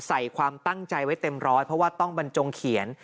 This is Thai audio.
ใส่ความตั้งใจไว้เต็มร้อยเพราะว่าต้องบรรจงเขียน